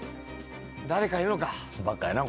誰かいるのか？